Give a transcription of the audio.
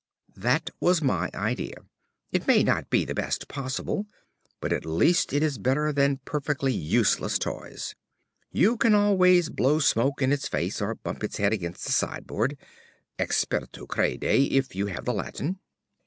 "That was my idea. It may not be the best possible, but at least it is better than perfectly useless toys. You can always blow smoke in its face, or bump its head against the sideboard. Experto crede, if you have the Latin."